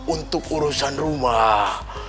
untuk urusan rumah